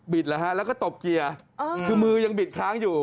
แล้วฮะแล้วก็ตบเกียร์คือมือยังบิดค้างอยู่